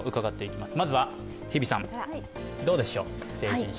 まずは日比さん、どうでしょう、成人式。